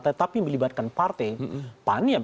tetapi melibatkan partai